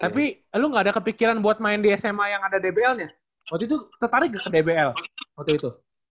tapi lu gak ada kepikiran buat main di sma yang ada dbl nya waktu itu tertarik gak ke dbl waktu itu